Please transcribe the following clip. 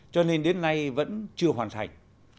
cho nên đến nay vẫn chưa hoàn thành